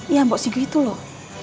iya mbok sugi itu loh